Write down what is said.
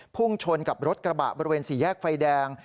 พุ่งชนกับรถกระบะบริเวณสี่แยกไฟแดง